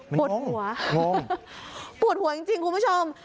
ปวดหัวปวดหัวจริงคุณผู้ชม